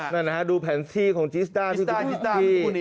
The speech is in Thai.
นั่นนะฮะดูแผนที่ของจิสต้าที่กลุ่มที่